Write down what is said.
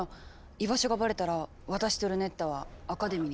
居場所がバレたら私とルネッタはアカデミーに連れ戻されちゃう。